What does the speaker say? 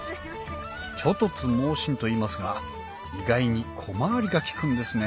猪突猛進といいますが意外に小回りが利くんですね